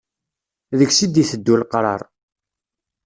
Deg-s i d-iteddu leqrar.